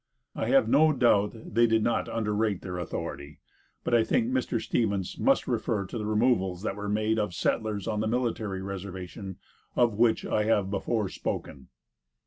I have no doubt they did not underrate their authority, but I think Mr. Stevens must refer to the removals that were made of settlers on the military reservation of which I have before spoken.